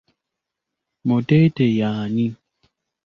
Muteete y'ani?